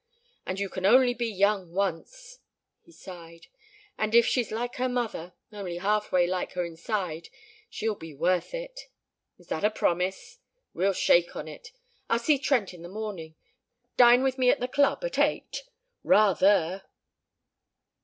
And you can only be young once." He sighed. "And if she's like her mother only halfway like her inside she'll be worth it." "Is that a promise?" "We'll shake on it. I'll see Trent in the morning. Dine with me at the club at eight?" "Rather!"